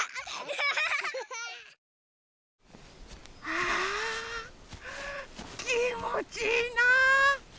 あきもちいいな。